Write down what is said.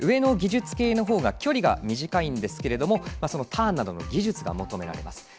技術系のほうが距離が短いんですがターンなどの技術が求められます。